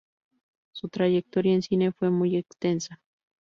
Su trayectoria en cine fue muy extensa.